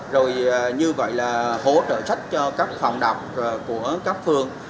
rồi như vậy là hỗ trợ sách cho các phòng đọc của các phường